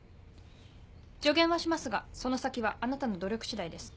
助言はしますがその先はあなたの努力しだいです。